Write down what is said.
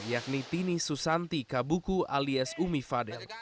yakni tini susanti kabuku alias umi fadel